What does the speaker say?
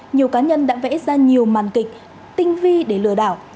nhiều cá nhân đã vẽ ra nhiều màn kịch tinh vi để lừa đảo